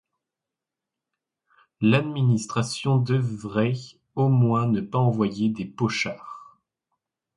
L'administration devrait au moins ne pas envoyer des pochards.